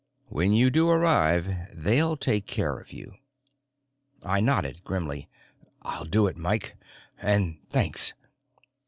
When you do arrive, they'll take care of you." I nodded, grimly. "I'll do it, Mike. And thanks!"